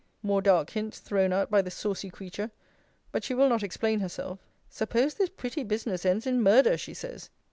More dark hints thrown out by the saucy creature. But she will not explain herself. 'Suppose this pretty business ends in murder! she says.